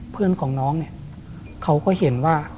เพื่อนของน้องเนี่ยเขาก็เห็นว่า